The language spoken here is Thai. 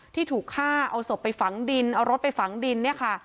ที่ถูกฆ่าเอาศพไปฝังดินเอารถไปฝังดินเนี่ยค่ะ